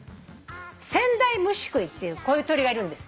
センダイムシクイっていうこういう鳥がいるんです。